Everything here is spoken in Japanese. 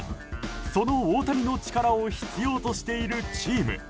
その大谷の力を必要としているチーム。